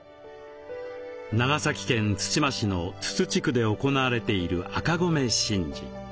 長崎県対馬市の豆酘地区で行われている「赤米神事」。